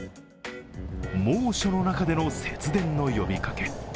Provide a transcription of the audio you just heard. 猛暑の中でも節電の呼びかけ。